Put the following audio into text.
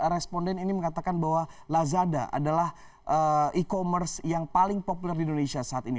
responden ini mengatakan bahwa lazada adalah e commerce yang paling populer di indonesia saat ini